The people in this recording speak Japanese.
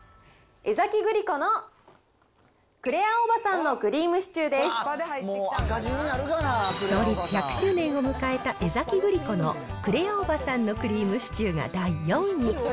江崎グリコのクレアおばさんの創立１００周年を迎えた江崎グリコの、クレアおばさんのクリームシチューが第４位。